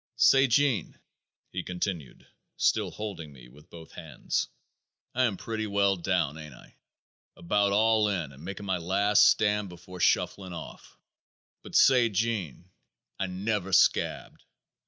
"Say, Gene," he continued, still holding me with both hands, "I am pretty well down, ain't I? About all in and making my last stand before shuffling off." "But say, Gene, I never scabbed.